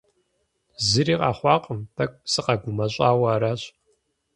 Зыри къэхъуакъым, тӏэкӏу сыкъэгумэщӏауэ аращ.